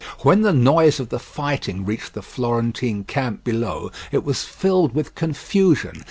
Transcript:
When the noise of the fighting reached the Florentine camp below, it was filled with confusion.